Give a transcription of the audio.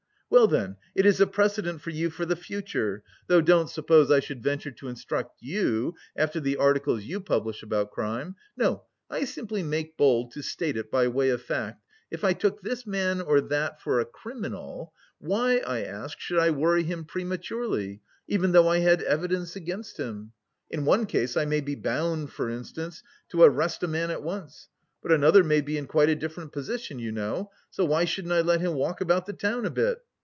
"Well, then it is a precedent for you for the future though don't suppose I should venture to instruct you after the articles you publish about crime! No, I simply make bold to state it by way of fact, if I took this man or that for a criminal, why, I ask, should I worry him prematurely, even though I had evidence against him? In one case I may be bound, for instance, to arrest a man at once, but another may be in quite a different position, you know, so why shouldn't I let him walk about the town a bit?